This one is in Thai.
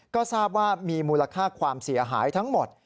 ก็ทราบว่ามีมูลค่าความเสียหายทั้งหมด